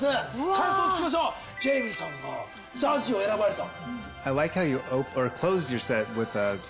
感想を聞きましょうジェイミーさんがＺＡＺＹを選ばれた。